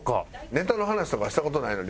ネタの話とかはした事ないの？